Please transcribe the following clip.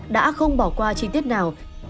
đã không bỏ qua chi tiết nào